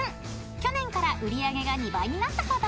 去年から売り上げが２倍になったほど］